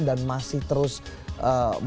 dan masih terus bertahan di zona ini